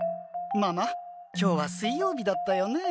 ママ、今日は水曜日だったよね。